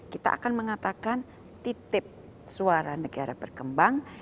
kita akan mengatakan titip suara negara berkembang